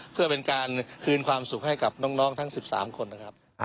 เพื่อเป็นการคืนความสุขให้กับน้องทั้ง๑๓คนนะครับ